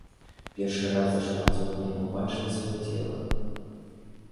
Першы раз за шмат дзён яна ўбачыла сваё цела.